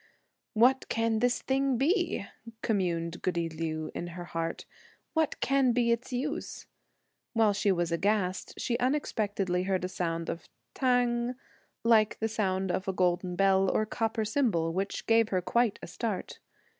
"What can this thing be?" communed goody Liu in her heart, "What can be its use?" While she was aghast, she unexpectedly heard a sound of "tang" like the sound of a golden bell or copper cymbal, which gave her quite a start.